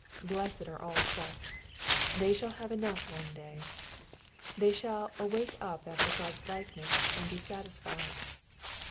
Blessed are all such 1 They shall have enough one day. They shall " awake up after God's likeness and be satisfied."